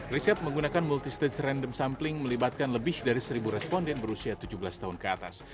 riset menggunakan multistage random sampling melibatkan lebih dari seribu responden berusia tujuh belas tahun ke atas